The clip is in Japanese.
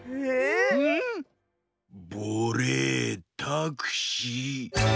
ぼぉれぇタクシー。